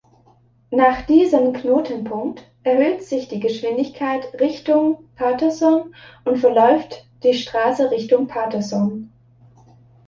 Nach diesem Knotenpunkt erhöht sich die Geschwindigkeit Richtung Paterson und verläuft die Straße Richtung Paterson.